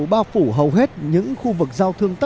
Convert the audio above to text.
bao phủ hầu hết những khu vực giao thương tấp nập